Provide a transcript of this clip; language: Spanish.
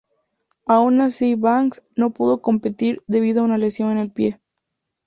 Aun así Banks no pudo competir debido a una lesión en el pie.